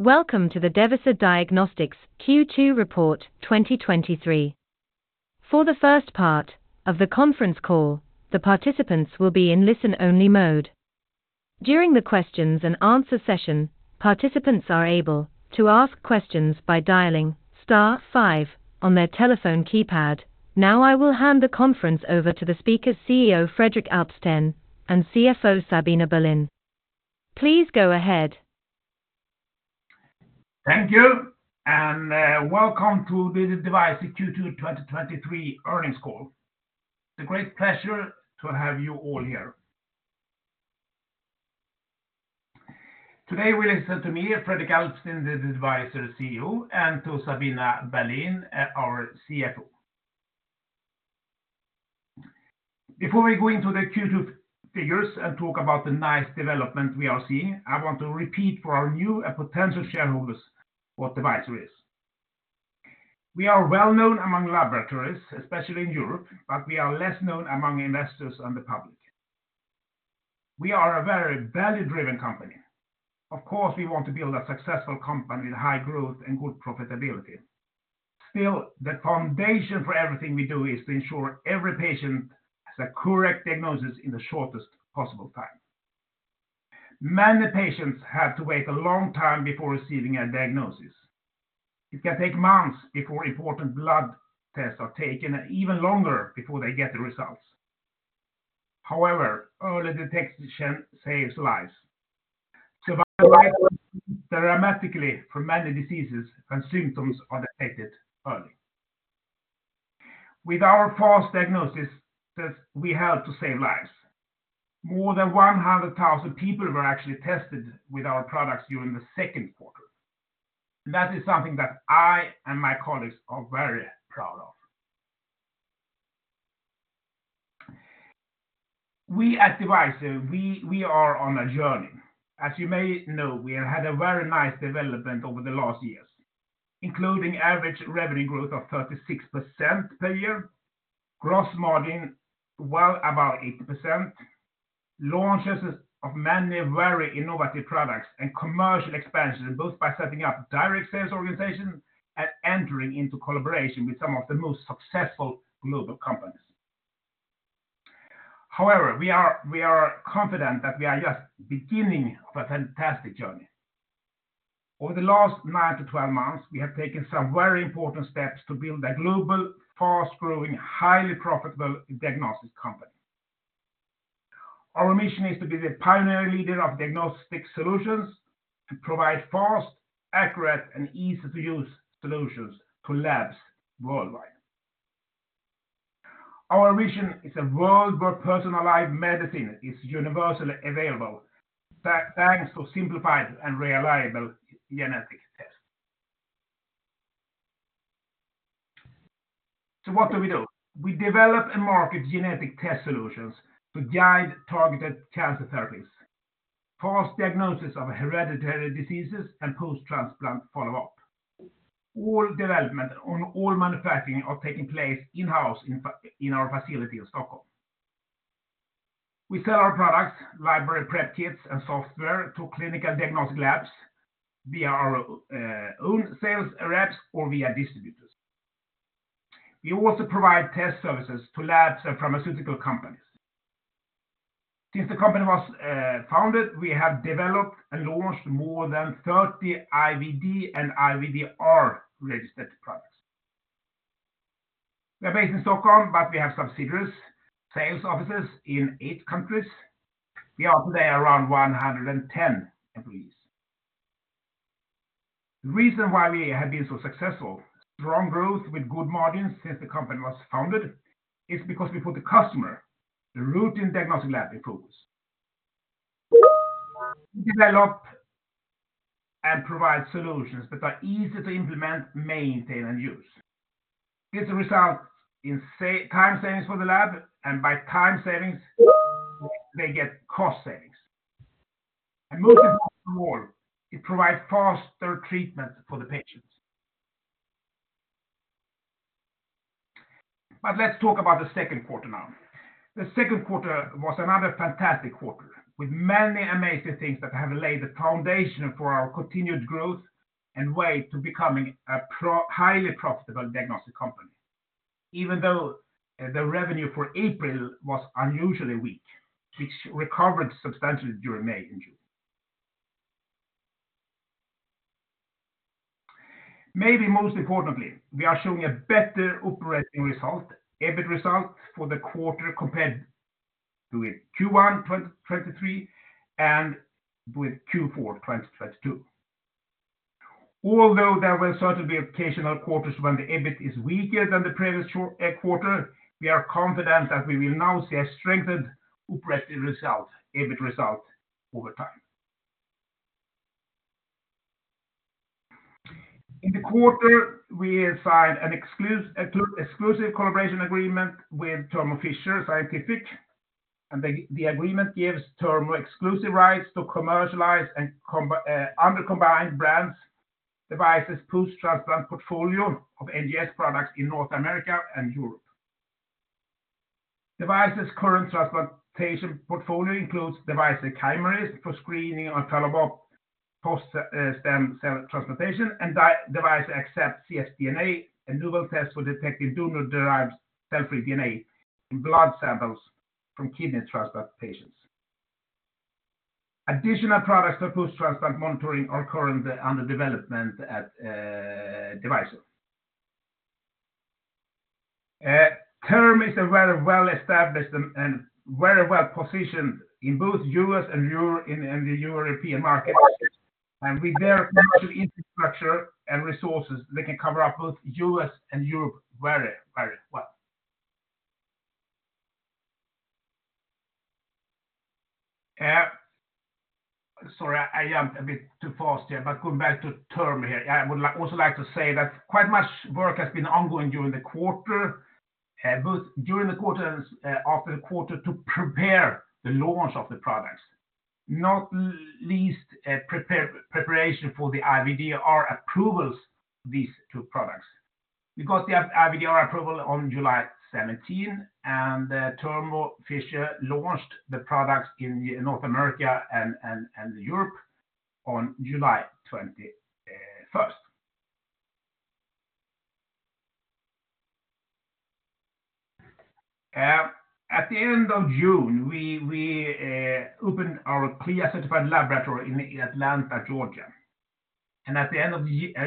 Welcome to the Devyser Diagnostics Q2 report 2023. For the first part of the conference call, the participants will be in listen-only mode. During the questions and answer session, participants are able to ask questions by dialing star five on their telephone keypad. Now, I will hand the conference over to the speaker, CEO, Fredrik Alpsten, and CFO, Sabina Berlin. Please go ahead. Thank you. Welcome to the Devyser Q2 2023 earnings call. It's a great pleasure to have you all here. Today, you will listen to me, Fredrik Alpsten, the Devyser CEO, and to Sabina Berlin, our CFO. Before we go into the Q2 figures and talk about the nice development we are seeing, I want to repeat for our new and potential shareholders what Devyser is. We are well-known among laboratories, especially in Europe. We are less known among investors and the public. We are a very value-driven company. Of course, we want to build a successful company with high growth and good profitability. The foundation for everything we do is to ensure every patient has a correct diagnosis in the shortest possible time. Many patients have to wait a long time before receiving a diagnosis. It can take months before important blood tests are taken, and even longer before they get the results. However, early detection saves lives. Survival... dramatically for many diseases and symptoms are detected early. With our fast diagnosis, we help to save lives. More than 100,000 people were actually tested with our products during the second quarter. That is something that I and my colleagues are very proud of. We, at Devyser, are on a journey. As you may know, we have had a very nice development over the last years, including average revenue growth of 36% per year, gross margin, well, about 80%, launches of many very innovative products and commercial expansion, both by setting up direct sales organization and entering into collaboration with some of the most successful global companies. However, we are, we are confident that we are just beginning of a fantastic journey. Over the last 9-12 months, we have taken some very important steps to build a global, fast-growing, highly profitable diagnostic company. Our mission is to be the pioneer leader of diagnostic solutions, to provide fast, accurate, and easy-to-use solutions to labs worldwide. Our vision is a world where personalized medicine is universally available, that thanks to simplified and reliable genetic tests. What do we do? We develop and market genetic test solutions to guide targeted cancer therapies, fast diagnosis of hereditary diseases, and post-transplant follow-up. All development on all manufacturing are taking place in-house, in our facility in Stockholm. We sell our products, library prep kits, and software to clinical diagnostic labs via our own sales reps or via distributors. We also provide test services to labs and pharmaceutical companies. Since the company was founded, we have developed and launched more than 30 IVD and IVDR-registered products. We're based in Stockholm, we have subsidiaries, sales offices in eight countries. We are today around 110 employees. The reason why we have been so successful, strong growth with good margins since the company was founded, is because we put the customer, the routine diagnostic lab, improves. We develop and provide solutions that are easy to implement, maintain, and use. This results in time savings for the lab, by time savings, they get cost savings. Most important of all, it provides faster treatment for the patients. Let's talk about the second quarter now. The second quarter was another fantastic quarter, with many amazing things that have laid the foundation for our continued growth and way to becoming a highly profitable diagnostic company. Even though the revenue for April was unusually weak, which recovered substantially during May and June. Maybe most importantly, we are showing a better operating result, EBIT result for the quarter compared with Q1 2023 and with Q4 2022. Although there will certainly be occasional quarters when the EBIT is weaker than the previous quarter, we are confident that we will now see a strengthened operating result, EBIT result over time. In the quarter, we signed an exclusive collaboration agreement with Thermo Fisher Scientific, and the agreement gives Thermo exclusive rights to commercialize and under combined brands, Devyser's post-transplant portfolio of NGS products in North America and Europe. Devyser's current transplantation portfolio includes Devyser Chimerism for screening on post-stem cell transplantation, and De- Devyser Accept cfDNA, a novel test for detecting donor-derived cell-free DNA in blood samples from kidney transplant patients. Additional products for post-transplant monitoring are currently under development at Devyser. Thermo is a very well-established and, and very well-positioned in both US and Europe in, in the European market. With their infrastructure and resources, they can cover up both US and Europe very, very well. Sorry, I am a bit too fast here, but going back to Thermo here. I would like, also like to say that quite much work has been ongoing during the quarter, both during the quarter and after the quarter to prepare the launch of the products, not least, prepare- preparation for the IVDR approvals, these two products. We got the IVDR approval on July 17th, and Thermo Fisher launched the products in North America and, and, and Europe on July 21st. At the end of June, we, we opened our CLIA-certified laboratory in Atlanta, Georgia. At the end of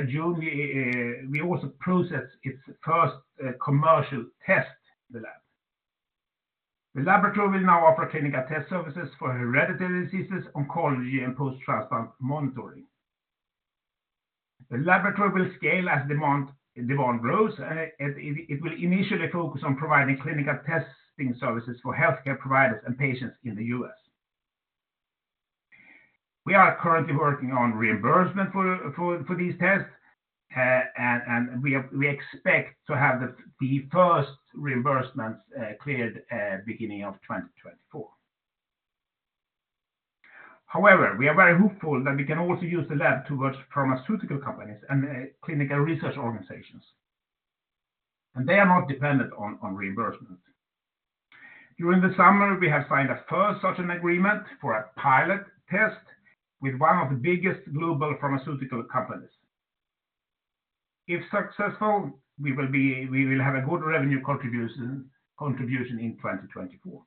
June, we also processed its first commercial test in the lab. The laboratory will now offer clinical test services for hereditary diseases, oncology, and post-transplant monitoring. The laboratory will scale as demand, demand grows, it, it, it will initially focus on providing clinical testing services for healthcare providers and patients in the U.S. We are currently working on reimbursement for, for, for these tests, and we expect to have the, the first reimbursements cleared beginning of 2024. However, we are very hopeful that we can also use the lab towards pharmaceutical companies and clinical research organizations, and they are not dependent on, on reimbursement. During the summer, we have signed a first such an agreement for a pilot test with one of the biggest global pharmaceutical companies. If successful, we will have a good revenue contribution, contribution in 2024.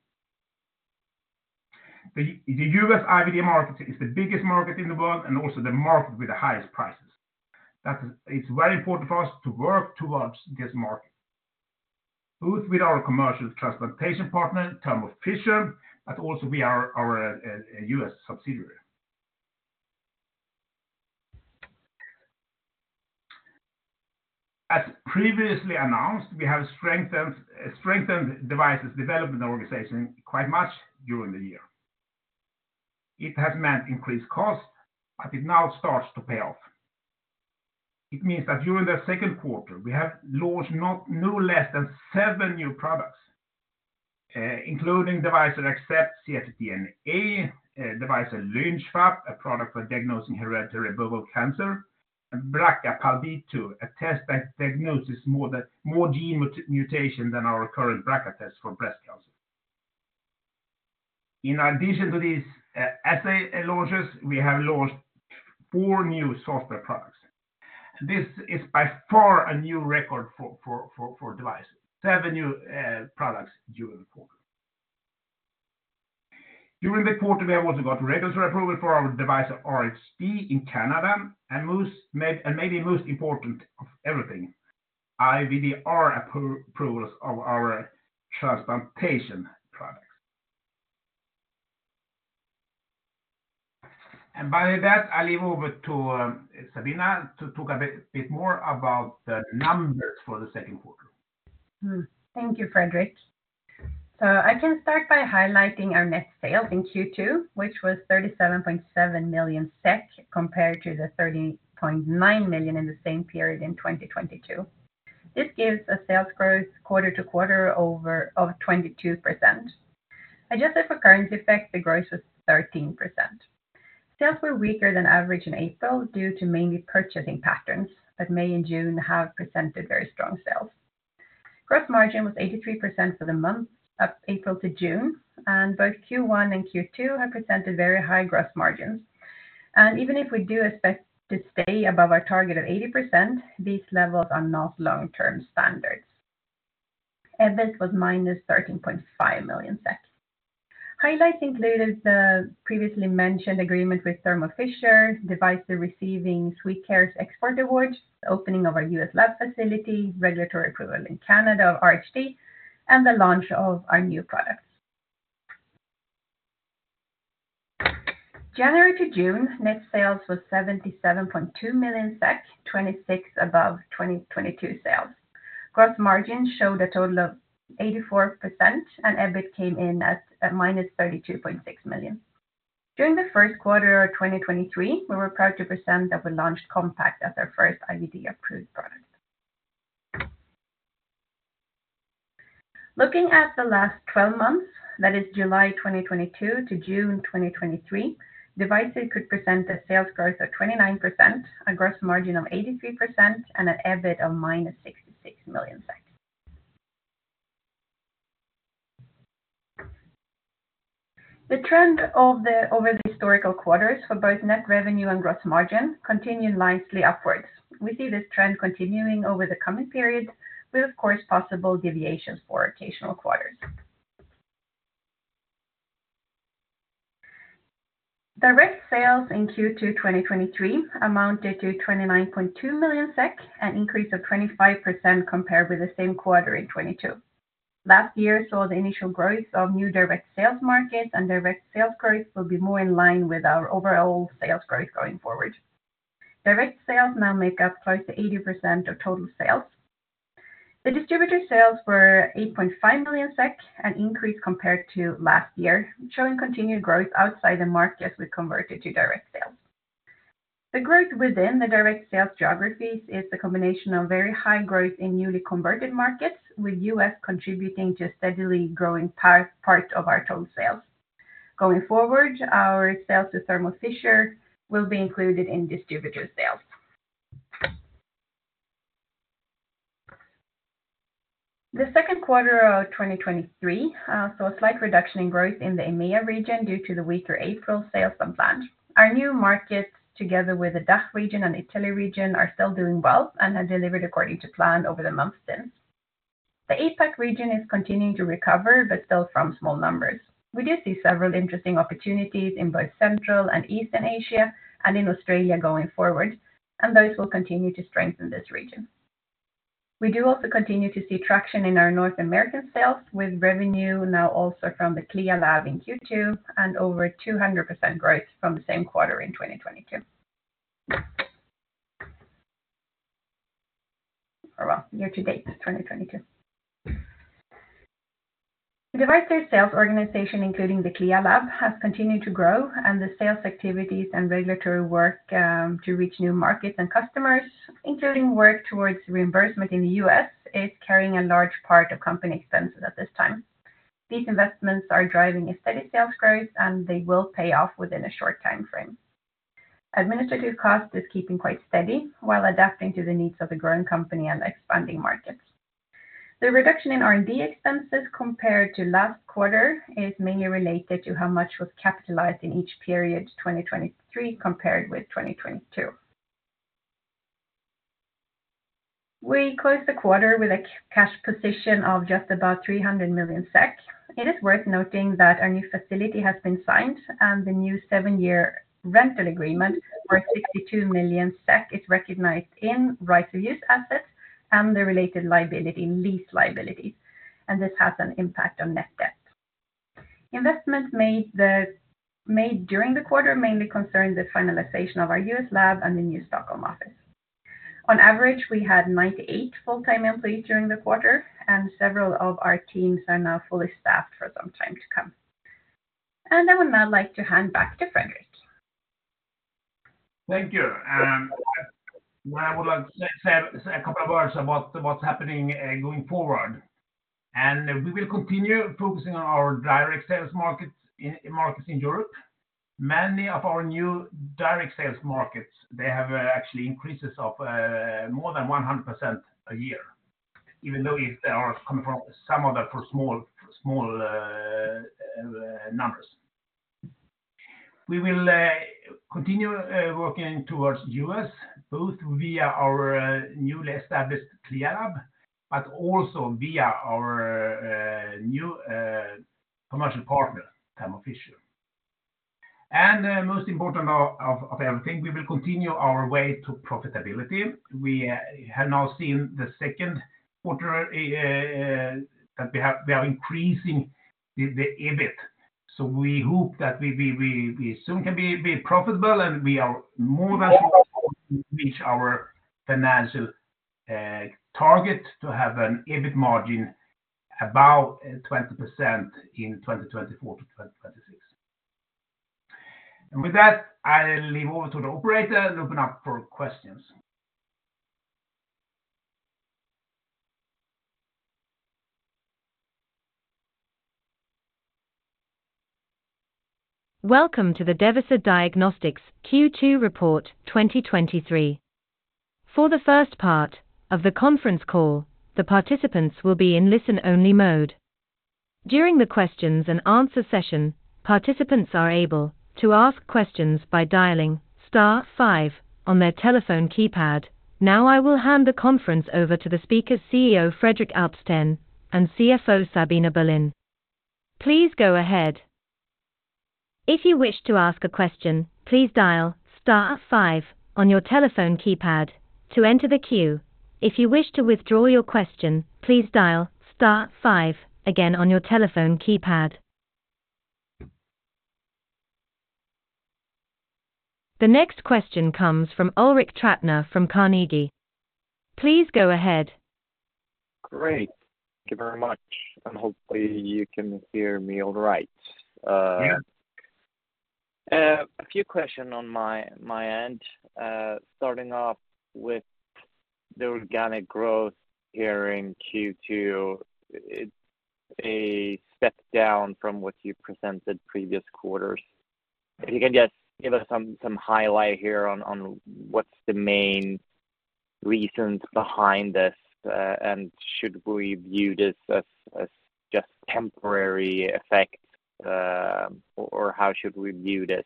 The US IVD market is the biggest market in the world and also the market with the highest prices. That is, it's very important for us to work towards this market, both with our commercial transplantation partner, Thermo Fisher, but also we are our U.S. subsidiary. As previously announced, we have strengthened Devyser's development organization quite much during the year. It has meant increased costs, but it now starts to pay off. It means that during the second quarter, we have launched no less than seven new products, including Devyser Accept cfDNA, Devyser LynchFAP, a product for diagnosing hereditary bowel cancer, and Devyser BRCA PALB2, a test that diagnoses more than, more gene mutation than our current BRCA test for breast cancer. In addition to these assay launches, we have launched four new software products. This is by far a new record for Devyser, seven new products during the quarter. During the quarter, we also got regulatory approval for our Devyser RHD in Canada, and maybe most important of everything, IVDR approvals of our transplantation products. By that, I leave over to Sabina to talk a bit more about the numbers for the second quarter. Thank you, Fredrik. I can start by highlighting our net sales in Q2, which was 37.7 million SEK, compared to the 13.9 million in the same period in 2022. This gives a sales growth quarter-to-quarter of 22%. Adjusted for currency effect, the growth was 13%. Sales were weaker than average in April due to mainly purchasing patterns. May and June have presented very strong sales. Gross margin was 83% for the month of April to June. Both Q1 and Q2 have presented very high gross margins. Even if we do expect to stay above our target of 80%, these levels are not long-term standards. EBIT was minus 13.5 million. Highlights included the previously mentioned agreement with Thermo Fisher, Devyser receiving Swecare Export Award, the opening of our U.S. lab facility, regulatory approval in Canada of RHD, and the launch of our new products. January to June, net sales was 77.2 million SEK, 26% above 2022 sales. Gross margin showed a total of 84%. EBIT came in at -32.6 million SEK. During the first quarter of 2023, we were proud to present that we launched Compact as our first IVD-approved product. Looking at the last 12 months, that is July 2022 to June 2023, Devyser could present a sales growth of 29%, a gross margin of 83%, and an EBIT of -66 million SEK. The trend of over the historical quarters for both net revenue and gross margin continued nicely upwards. We see this trend continuing over the coming periods with, of course, possible deviations for occasional quarters. Direct sales in Q2, 2023 amounted to 29.2 million SEK, an increase of 25% compared with the same quarter in 2022. Last year saw the initial growth of new direct sales markets. Direct sales growth will be more in line with our overall sales growth going forward. Direct sales now make up close to 80% of total sales. The distributor sales were 8.5 million SEK, an increase compared to last year, showing continued growth outside the markets we converted to direct sales. The growth within the direct sales geographies is the combination of very high growth in newly converted markets, with U.S. contributing to a steadily growing part of our total sales. Going forward, our sales to Thermo Fisher will be included in distributor sales. The second quarter of 2023 saw a slight reduction in growth in the EMEA region due to the weaker April sales than planned. Our new markets, together with the DACH region and Italy region, are still doing well and have delivered according to plan over the months since. The APAC region is continuing to recover, but still from small numbers. We do see several interesting opportunities in both Central and Eastern Asia and in Australia going forward, and those will continue to strengthen this region. We do also continue to see traction in our North American sales, with revenue now also from the CLIA lab in Q2 and over 200% growth from the same quarter in 2022. Well, year-to-date, 2022. The right sales organization, including the CLIA lab, has continued to grow, and the sales activities and regulatory work to reach new markets and customers, including work towards reimbursement in the US, is carrying a large part of company expenses at this time. These investments are driving a steady sales growth, and they will pay off within a short time frame. Administrative cost is keeping quite steady while adapting to the needs of a growing company and expanding markets. The reduction in R&D expenses compared to last quarter is mainly related to how much was capitalized in each period, 2023 compared with 2022. We closed the quarter with a cash position of just about 300 million SEK. It is worth noting that our new facility has been signed and the new seven-year rental agreement for 62 million SEK is recognized in right-of-use assets and the related lease liability, and this has an impact on net debt. Investments made during the quarter mainly concerned the finalization of our US lab and the new Stockholm office. On average, we had 98 full-time employees during the quarter, and several of our teams are now fully staffed for some time to come. I would now like to hand back to Fredrik. Thank you. I would like to say, say a couple of words about what's happening going forward. We will continue focusing on our direct sales markets in, in markets in Europe. Many of our new direct sales markets, they have actually increases of more than 100% a year, even though if they are coming from some of the for small, small numbers. We will continue working towards U.S., both via our newly established CLIA lab, but also via our new commercial partner, Thermo Fisher. Most important of, of everything, we will continue our way to profitability. We have now seen the second quarter that we are increasing the, the EBIT. We hope that we soon can be profitable, and we are more than reach our financial target to have an EBIT margin about 20% in 2024 to 2026. With that, I leave over to the operator and open up for questions. Welcome to the Devyser Diagnostics Q2 report 2023. For the first part of the conference call, the participants will be in listen-only mode. During the questions and answer session, participants are able to ask questions by dialing star five on their telephone keypad. I will hand the conference over to the speakers, CEO, Fredrik Alpsten, and CFO, Sabina Berlin. Please go ahead. If you wish to ask a question, please dial star five on your telephone keypad to enter the queue. If you wish to withdraw your question, please dial star five again on your telephone keypad. The next question comes from Ulrik Trattner from Carnegie. Please go ahead. Great. Thank you very much, and hopefully, you can hear me all right. Yes. A few questions on my, my end. Starting off with the organic growth here in Q2. It's a step down from what you presented previous quarters. If you can just give us some, some highlight here on, on what's the reasons behind this, and should we view this as, as just temporary effect, or, or how should we view this?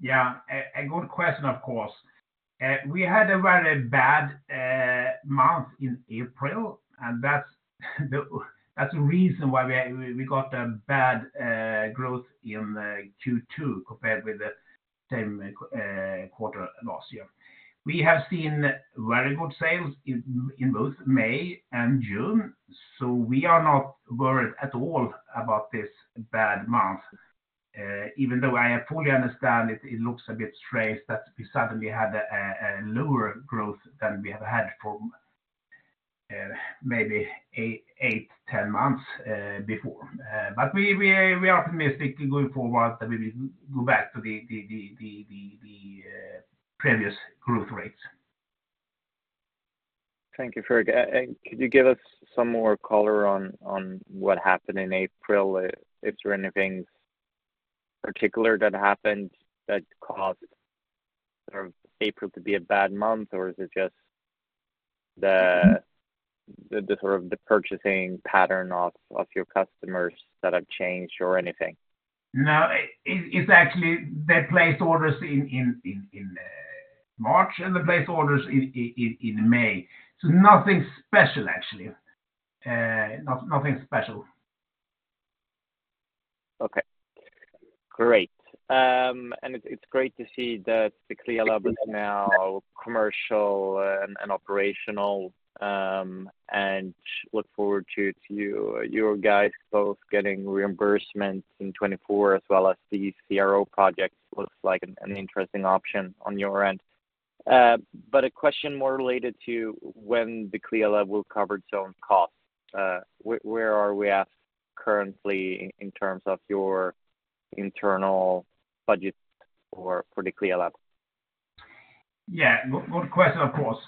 Yeah, a good question, of course. We had a very bad month in April, and that's the reason why we got a bad growth in Q2 compared with the same quarter last year. We have seen very good sales in both May and June, so we are not worried at all about this bad month. Even though I fully understand it, it looks a bit strange that we suddenly had a lower growth than we have had for maybe eight, 10 months before. We are optimistic going forward that we will go back to the previous growth rates. Thank you, Fredrik. Could you give us some more color on, on what happened in April? If there are any things particular that happened that caused sort of April to be a bad month, or is it just the-? Mm-hmm... the, the sort of the purchasing pattern of, of your customers that have changed or anything? It, it's actually they placed orders in, in, in, in March, and they placed orders in, in, in, in May. Nothing special, actually. Nothing special. Okay. Great. It's, it's great to see that the CLIA lab is now commercial and operational, and look forward to, to you, your guys both getting reimbursements in 2024, as well as the CRO project looks like an interesting option on your end. A question more related to when the CLIA lab will cover its own cost: Where are we at currently in terms of your internal budget for the CLIA lab? Yeah. Good, good question, of course.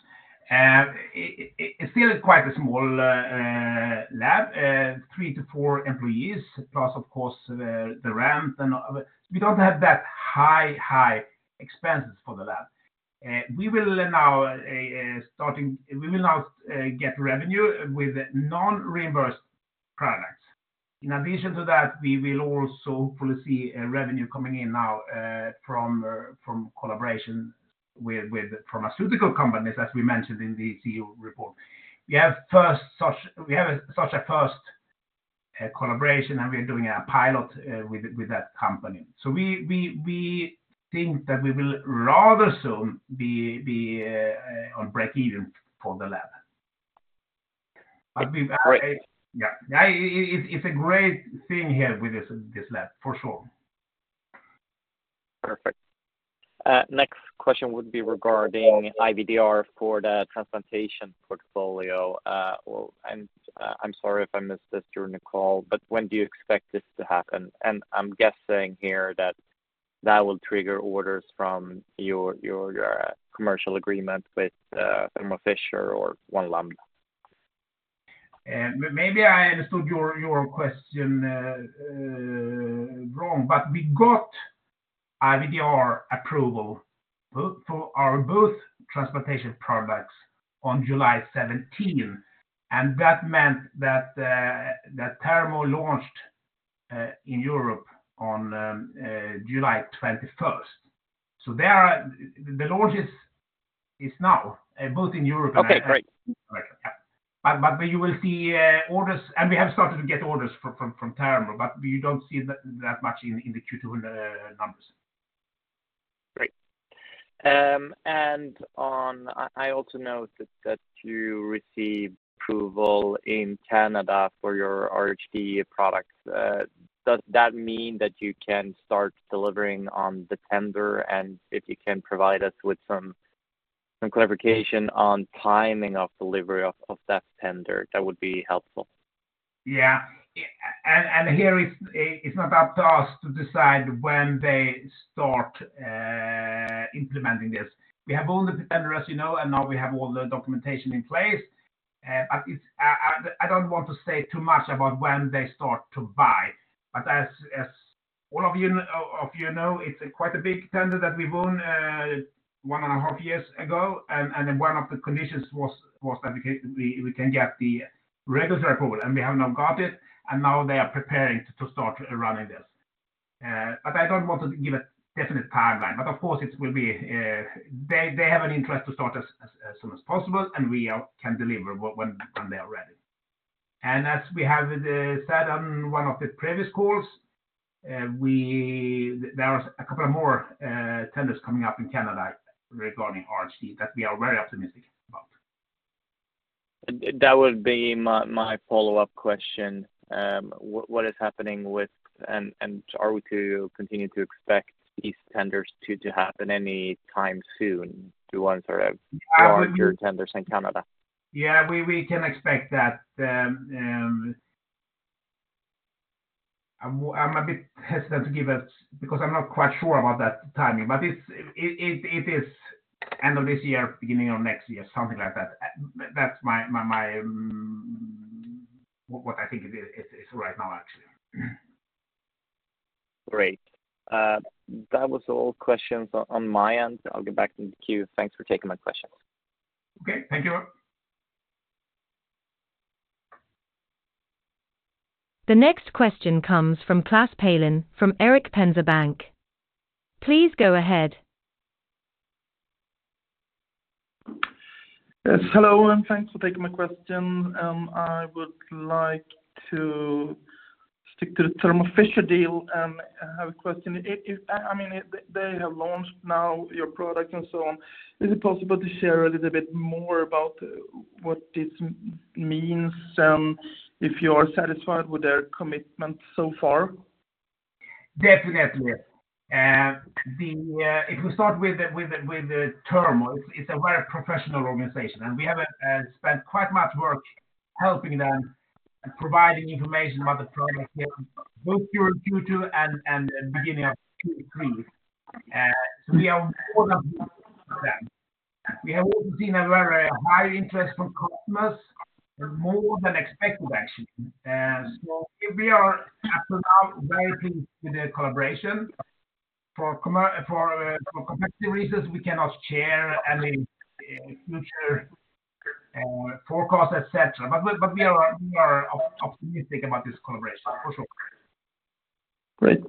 It, it, it's still quite a small lab, three to four employees, plus, of course, the, the rent and all of it. We don't have that high, high expenses for the lab. We will now, we will now get revenue with non-reimbursed products. In addition to that, we will also hopefully see a revenue coming in now from from collaboration with with pharmaceutical companies, as we mentioned in the CEO report. We have a such a first collaboration, and we're doing a pilot with with that company. So we, we, we think that we will rather soon be, be on breakeven for the lab. But we- Great. Yeah. Yeah, it, it's a great thing here with this, this lab, for sure. Perfect. Next question would be regarding IVDR for the transplantation portfolio. Well, I'm sorry if I missed this during the call, but when do you expect this to happen? I'm guessing here that that will trigger orders from your, your commercial agreement with Thermo Fisher or One Lambda. Maybe I understood your, your question, wrong. We got IVDR approval for our both transplantation products on July 17, and that meant that Thermo launched in Europe on July 21st. There are... The launch is, is now, both in Europe and- Okay, great. America. Yeah. You will see, orders, and we have started to get orders from, from, from Thermo, but you don't see that, that much in, in the Q2, numbers. Great. And on... I, I also note that, that you received approval in Canada for your RHD products. Does that mean that you can start delivering on the tender? If you can provide us with some clarification on timing of delivery of that tender, that would be helpful. Yeah. Yeah, and, and here, it's not up to us to decide when they start implementing this. We have all the tender, as you know, and now we have all the documentation in place. It's, I, I, I don't want to say too much about when they start to buy, but as, as all of you know, it's quite a big tender that we won one and a half years ago, and, and one of the conditions was, was that we can get the regulatory approval, and we have now got it, and now they are preparing to start running this. I don't want to give a definite timeline, but of course, it will be, they, they have an interest to start as, as, as soon as possible, and we are- can deliver when, when they are ready. As we have said on one of the previous calls, we- there are a couple of more tenders coming up in Canada regarding RHD, that we are very optimistic about. That would be my, my follow-up question. What is happening with... Are we to continue to expect these tenders to happen any time soon, the ones that are larger tenders in Canada? Yeah, we, we can expect that. I'm, I'm a bit hesitant to give it because I'm not quite sure about that timing, but it's, it, it, it is end of this year, beginning of next year, something like that. That's my, my, my, what, what I think it is, is right now, actually. Great. That was all questions on, on my end. I'll get back in the queue. Thanks for taking my questions. Okay, thank you. The next question comes from Klas Palin from Erik Penser Bank. Please go ahead. Yes, hello, thanks for taking my question. I would like to stick to the Thermo Fisher deal and I have a question. I mean, they have launched now your product and so on. Is it possible to share a little bit more about what this means, if you are satisfied with their commitment so far? Definitely. If we start with the Thermo, it's a very professional organization, and we have spent quite much work helping them, providing information about the product, both during Q2 and beginning of Q3. So we are all of them. We have also seen a very high interest from customers, more than expected, actually. So we are up to now very pleased with the collaboration. For competitive reasons, we cannot share any future forecast, et cetera. We, but we are optimistic about this collaboration, for sure. Great.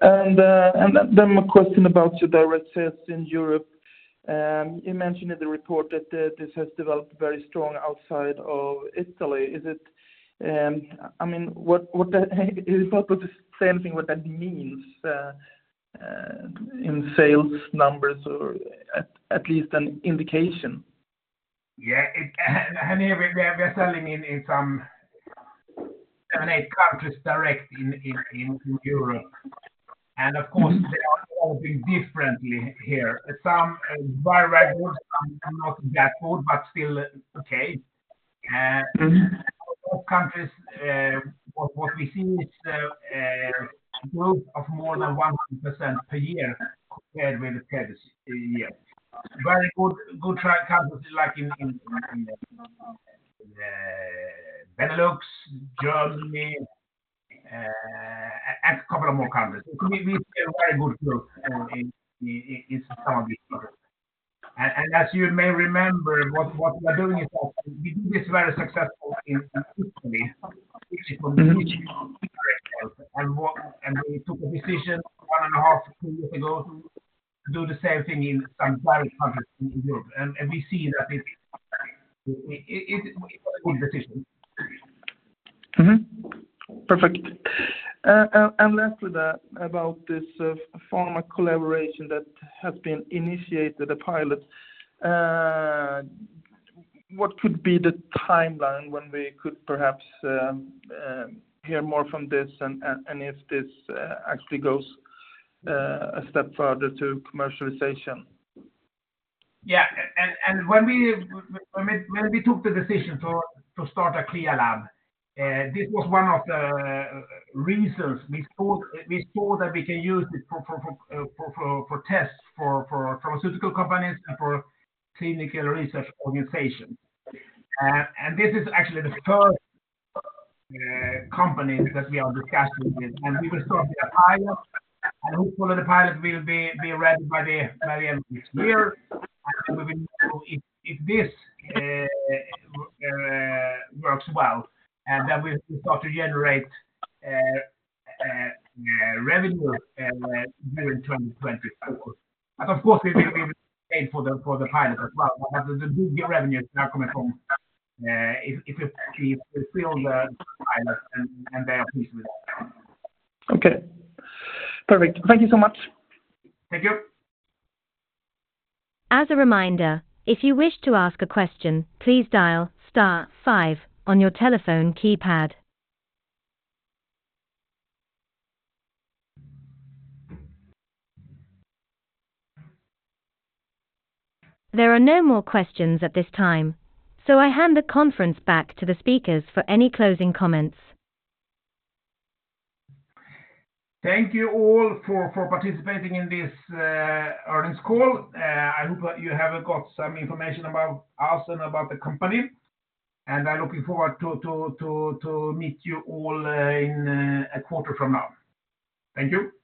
Then my question about your direct sales in Europe. You mentioned in the report that this has developed very strong outside of Italy. Is it, I mean, what, is it possible to say anything what that means in sales numbers or at least an indication? Yeah, it, and, and we, we are selling in, in some seven, eight countries direct in, in, in Europe. Of course, they are all being differently here. Some very right good, some not that good, but still okay. All countries, what, what we see is a growth of more than 100% per year compared with the previous year, very good, good try countries like in, in Benelux, Germany, and a couple of more countries. We, we see a very good growth in, in some of these countries. As you may remember, what, what we are doing is also, we did this very successful in Italy. We took a decision 1.5-2 years ago, to do the same thing in some other countries in Europe, and we see that it was a good decision. Mm-hmm. Perfect. Last with about this pharma collaboration that has been initiated, the pilot. What could be the timeline when we could perhaps hear more from this and if this actually goes a step further to commercialization? Yeah. When we took the decision to start a CLIA lab, this was one of the reasons. We thought, we thought that we can use it for tests, for pharmaceutical companies and for clinical research organizations. This is actually the first company that we are discussing with, and we will start the pilot, and hopefully the pilot will be ready by the end of this year. We will know if this works well, and then we start to generate revenue during 2020, of course. Of course, we will, we will pay for the, for the pilot as well, but the big revenue is now coming from, if we fill the pilot and, and they are pleased with it. Okay. Perfect. Thank you so much. Thank you. As a reminder, if you wish to ask a question, please dial star five on your telephone keypad. There are no more questions at this time. I hand the conference back to the speakers for any closing comments. Thank you all for participating in this earnings call. I hope that you have got some information about us and about the company. I'm looking forward to meet you all in a quarter from now. Thank you.